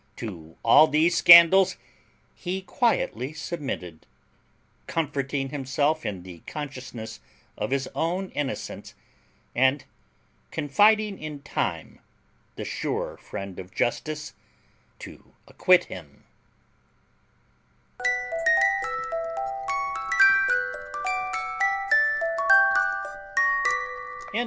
To all these scandals he quietly submitted, comforting himself in the consciousness of his own innocence, and confiding in time, the sure friend of justice, to acquit him.